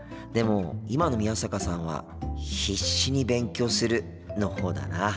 でも今の宮坂さんは「必死に勉強する」のほうだな。